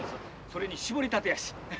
それに搾りたてやし。